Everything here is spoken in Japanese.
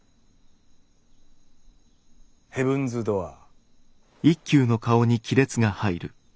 ヘブンズ・ドアー。